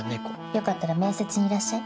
よかったら面接にいらっしゃい。